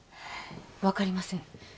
分かりません